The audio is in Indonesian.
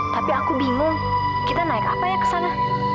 tapi aku bingung kita naik apa ya ke sana